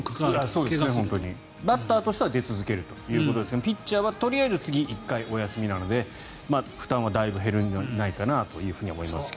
バッターとしては出続けるということですがピッチャーはとりあえず次１回お休みなので負担はだいぶ減るのではないかなと思いますが。